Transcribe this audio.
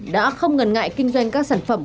đã không ngần ngại kinh doanh các sản phẩm